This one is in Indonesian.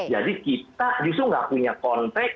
jadi kita justru gak punya kontak